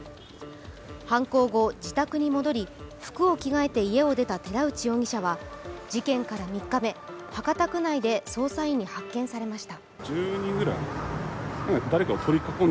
犯行後、自宅に戻り、服を着替えて家を出た寺内進容疑者は事件から３日目、博多区内で捜査員に発見されました。